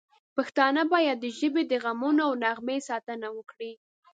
پښتانه باید د ژبې د غنمو او نغمې ساتنه وکړي.